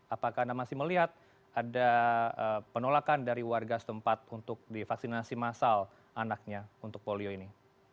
apakah anda masih melihat ada penolakan dari warga setempat untuk divaksinasi masal anaknya untuk polio ini